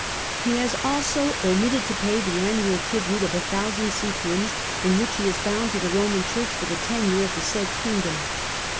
He has also omitted to pay the annual tribute of a thousand sequins, in which he is bound to the Roman Church for the tenure of the said Kingdom."